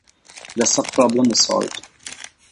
The subproblem is solved.